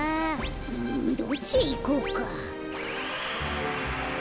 うんどっちへいこうか？